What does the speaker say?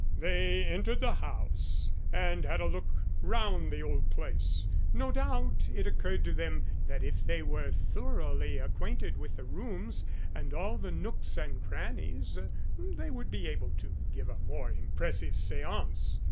"They entered the house, and had a look round the old place. No doubt it occurred to them that if they were thoroughly acquainted with the rooms, and all the nooks and crannies, they would be able to give a more impressive séance.